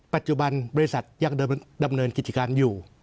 ปัจจุบันบริษัทยังดำเนินกิจการอยู่